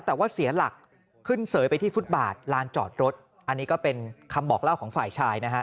แต่ว่าเสียหลักขึ้นเสยไปที่ฟุตบาทลานจอดรถอันนี้ก็เป็นคำบอกเล่าของฝ่ายชายนะฮะ